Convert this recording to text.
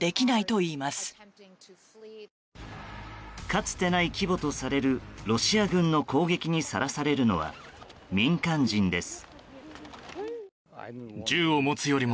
かつてない規模とされるロシア軍の攻撃にさらされるのは民間人です。